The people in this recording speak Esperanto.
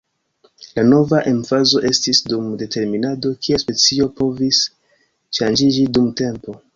La nova emfazo estis dum determinado kiel specio povis ŝanĝiĝi dum tempo.